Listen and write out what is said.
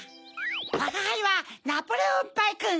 わがはいはナポレオンパイくん。